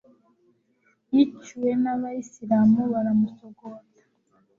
yiciwe n'abayisilamu baramusogota